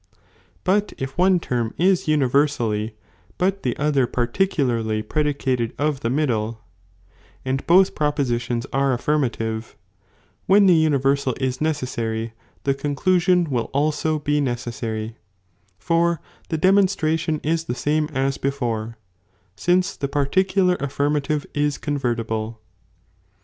But if one term is universally but the other j ifoneimi particularly (predicated of the middle), and both ^''"1^ {^j, propositions arc affirmative, when the universal is HECctsaiy ihe necessary the conclusion will also be necessary, ^^"™''bBi for the demonstration is the same as before, since noi when'r ii i the particular affirmative is convertible.